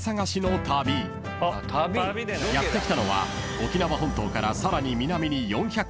［やって来たのは沖縄本島からさらに南に４００ｋｍ］